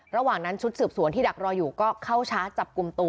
ระหว่างนั้นชุดสืบสวนที่ดักรออยู่ก็เข้าชาร์จจับกลุ่มตัว